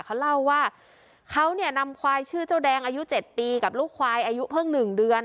เขาเล่าว่าเขาเนี่ยนำควายชื่อเจ้าแดงอายุ๗ปีกับลูกควายอายุเพิ่ง๑เดือน